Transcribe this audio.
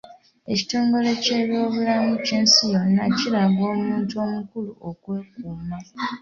Ekitongole ky’ebyobulamu eky'ensi yonna kiragira omuntu omukulu okwekuuma.